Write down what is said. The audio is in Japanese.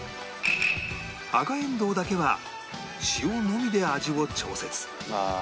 赤えんどうだけは塩のみで味を調節